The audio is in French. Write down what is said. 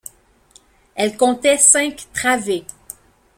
Elle comptait cinq travées.